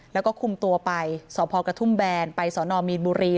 แล้วก็คุมตัวไปสพกระทุ่มแบนไปสนมีนบุรี